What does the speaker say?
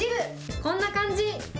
こんな感じ。